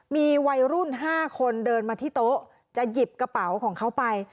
มีวัยรุ่น๕คนเดินมาที่โต๊ะจะหยิบกระเป๋าของเขาไป